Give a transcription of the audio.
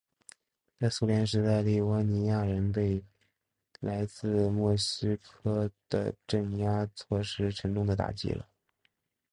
在苏联时代立窝尼亚人被来自莫斯科的镇压措施沉重地打击了。